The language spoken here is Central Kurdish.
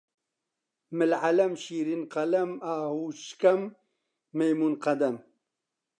مل عەلەم، شیرین قەلەم، ئاهوو شکەم، مەیموون قەدەم